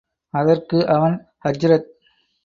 அதற்கு அவன் ஹஜ்ரத்!